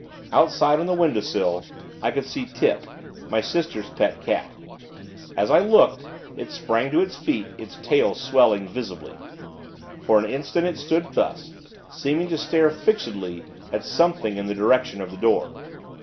Outside, on the windowsill, I could see Tip, my sister's pet cat. As I looked, it sprang to its feet, its tail swelling, visibly. For an instant it stood thus; seeming to stare, fixedly, at something, in the direction of the door.